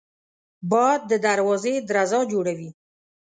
باد د دروازې درزا جوړوي